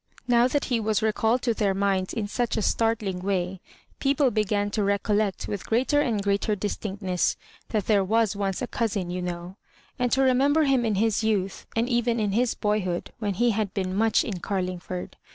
Now that he was recalled to their minds in such a startling way, people be gan to recollect with greater and greater dis tinctness that "there was once a cousin, you know," and to remember him in his youth, and even in his boyhood when he had been much in Garlingford.